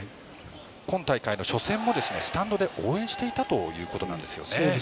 今大会の初戦もスタンドで応援していたということなんです。